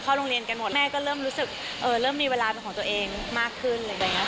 เข้ารุงเรียนกันหมดแม่ก็เริ่มรู้สึกเริ่มมีเวลาเป็นของตัวเองมากขึ้น